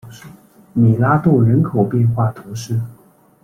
米拉杜人口变化图示